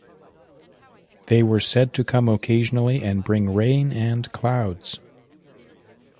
They were said to come occasionally and bring rain and clouds.